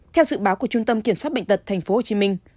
theo dự báo của trung tâm kiểm soát bệnh tật tp hcm